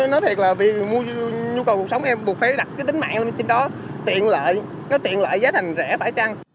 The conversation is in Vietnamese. nói thiệt là vì nhu cầu cuộc sống em buộc phải đặt cái tính mạng lên trên đó tiện lợi nó tiện lợi giá thành rẻ vài trăm